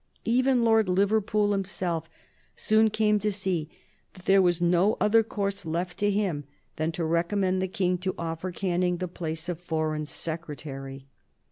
Even Lord Liverpool himself soon came to see that there was no other course left to him than to recommend the King to offer to Canning the place of Foreign Secretary.